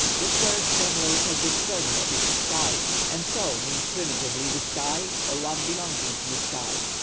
This word generally has the determinative of sky, and so means primitively the sky or one belonging to the sky.